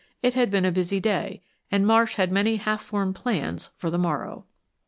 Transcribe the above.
It had been a busy day and Marsh had many half formed plans for the morrow.